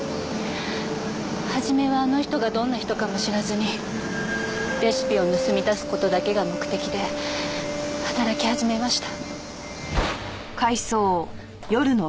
初めはあの人がどんな人かも知らずにレシピを盗み出す事だけが目的で働き始めました。